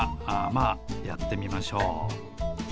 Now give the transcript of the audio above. まあやってみましょう。